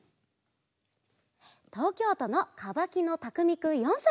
とうきょうとのかばきのたくみくん４さいから。